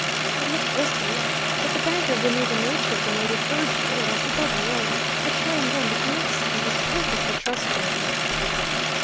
It looked risky, but the banker who knew the nature of the native urged it as the better way, assuring them that the Mexican was perfectly trustworthy.